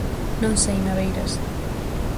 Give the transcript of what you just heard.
Non sei, Naveiras.